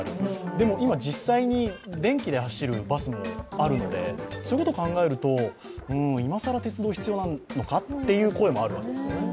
でも今、実際に電気で走るバスもあるので、そういうこと考えると今更、鉄道、必要なのかという声もあるわけですよね。